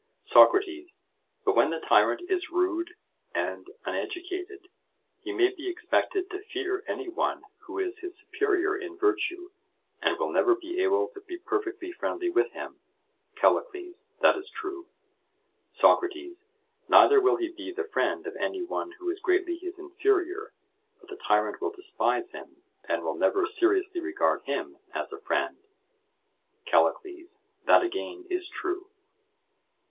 SOCRATES: But when the tyrant is rude and uneducated, he may be expected to fear any one who is his superior in virtue, and will never be able to be perfectly friendly with him. CALLICLES: That is true. SOCRATES: Neither will he be the friend of any one who is greatly his inferior, for the tyrant will despise him, and will never seriously regard him as a friend. CALLICLES: That again is true.